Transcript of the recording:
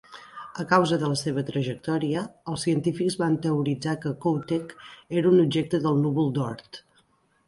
A causa de la seva trajectòria, els científics van teoritzar que Kohoutek era un objecte del núvol d'Oort.